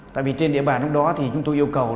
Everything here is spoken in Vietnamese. tại vì trên địa bàn lúc đó thì chúng tôi yêu cầu